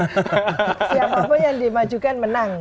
siapapun yang dimajukan menang